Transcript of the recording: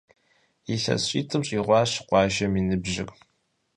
Илъэс щитӏым щӏигъуащ къуажэм и ныбжьыр.